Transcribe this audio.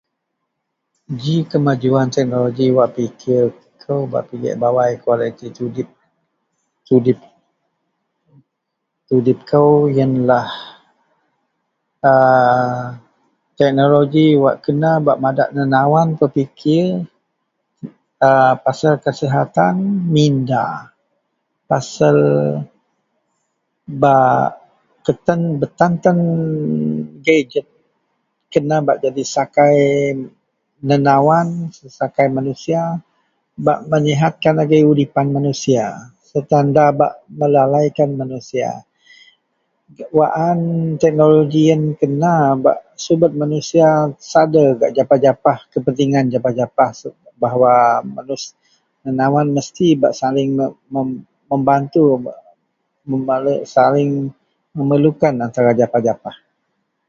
ji kemajuan teknologi wak pikir kou bak pigek bawai kualiti tudip..tudip..tudip kou ienlah aa teknologi wak kena bak madak nenawan pepikir a pasal kasihatan minda pasel bak beteng betan tan ke kena bak jadi sakai nenawan sakai manusia bak meyihatkan agei udipan manusia serta da bak melalaikan manusia wak aan teknologi ien kena bak subet manusia sader gak japah-japah kepentingan japah-japah bahwa nenawan mesti bak saling mem membantu mer saling memerlukan japah-japah